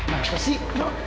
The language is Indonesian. nah apa sih